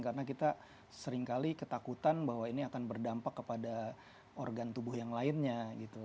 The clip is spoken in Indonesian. karena kita seringkali ketakutan bahwa ini akan berdampak kepada organ tubuh yang lainnya gitu